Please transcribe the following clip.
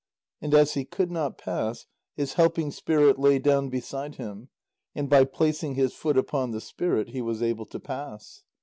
And as he could not pass, his helping spirit lay down beside him, and by placing his foot upon the spirit, he was able to pass.